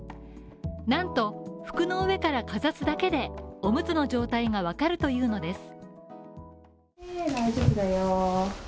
なんと、服の上からかざすだけで、オムツの状態がわかるというのです。